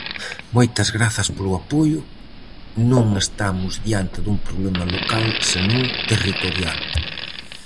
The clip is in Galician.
Moitas grazas polo apoio, non estamos diante dun problema local senón territorial.